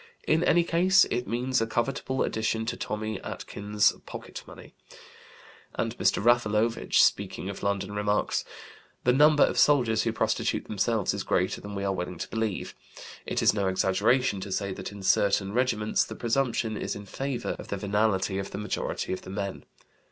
In any case it means a covetable addition to Tommy Atkins's pocket money." And Mr. Raffalovich, speaking of London, remarks: "The number of soldiers who prostitute themselves is greater than we are willing to believe. It is no exaggeration to say that in certain regiments the presumption is in favor of the venality of the majority of the men."